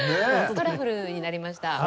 カラフルになりました。